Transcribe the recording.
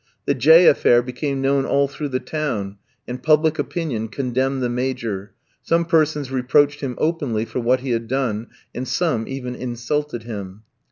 The J ski affair became known all through the town, and public opinion condemned the Major; some persons reproached him openly for what he had done, and some even insulted him.